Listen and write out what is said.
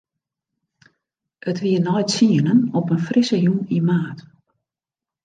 It wie nei tsienen op in frisse jûn yn maart.